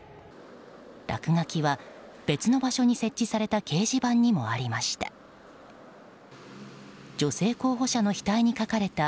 落書きは別の場所に設置された掲示板にもありました。